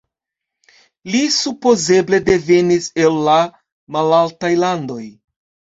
Li supozeble devenis el la Malaltaj Landoj.